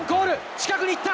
近くに行った！